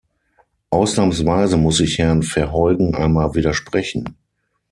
Ausnahmsweise muss ich Herrn Verheugen einmal widersprechen.